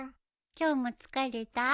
今日も疲れた？